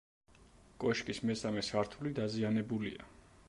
კოშკის მესამე სართული დაზიანებულია.